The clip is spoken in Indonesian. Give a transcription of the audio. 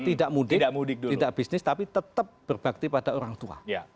tidak mudik tidak bisnis tapi tetap berbakti pada orang tua